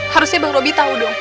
harusnya bang roby tahu dong